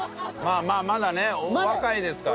まあまだねお若いですから。